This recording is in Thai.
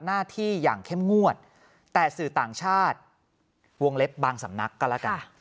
หน้าที่อย่างเข้มงวดแต่สื่อต่างชาติวงเล็บบางสำนักก็แล้วกัน